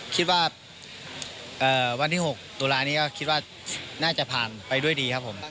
คิดว่าวันที่๖ตุลานี้ก็คิดว่าน่าจะผ่านไปด้วยดีครับผม